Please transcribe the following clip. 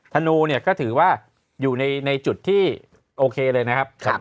ธนูเนี่ยก็ถือว่าอยู่ในจุดที่โอเคเลยนะครับ